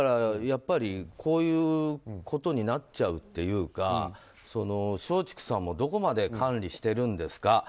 やっぱり、こういうことになっちゃうというか松竹さんもどこまで管理しているんですか。